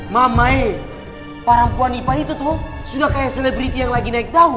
mamai perempuan ipa itu tuh sudah kayak selebriti yang lagi naik daun